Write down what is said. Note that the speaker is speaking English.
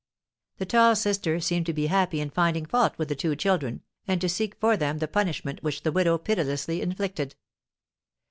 The tall sister seemed to be happy in finding fault with the two children, and to seek for them the punishment which the widow pitilessly inflicted.